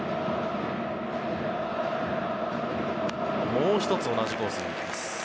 もう１つ同じコースに行きます。